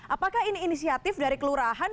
apakah ini inisiatif dari kelurahan